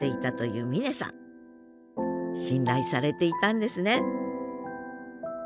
信頼されていたんですね